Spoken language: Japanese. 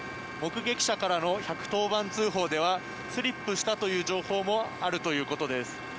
目撃者からの１１０番通報ではスリップしたという情報もあるということです。